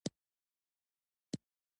تشناب مو په کور کې دننه دی؟